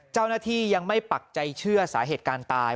เจ้าหน้าที่ยังไม่ปักใจเชื่อสาเหตุการณ์ตาย